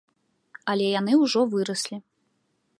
Але яны ўжо выраслі.